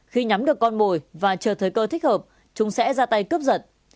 khi nhắm được con mồi và chờ thời cơ thích hợp chúng sẽ ra tay cướp giật